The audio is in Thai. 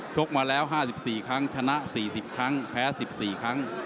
กมาแล้ว๕๔ครั้งชนะ๔๐ครั้งแพ้๑๔ครั้ง